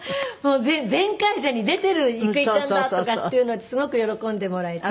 「『ゼンカイジャー』に出てる郁恵ちゃんだ！」とかっていうのをすごく喜んでもらえて。